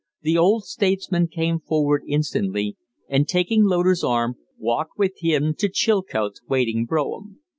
The old statesman came forward instantly, and, taking Loder's arm, walked with him to Chilcote's waiting brougham.